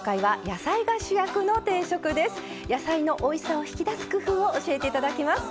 野菜のおいしさを引き出す工夫を教えていただきます。